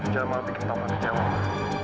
jangan mau bikin taufan kejam ma